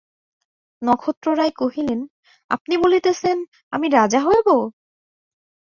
নক্ষত্ররায় কহিলেন, আপনি বলিতেছেন আমি রাজা হইব?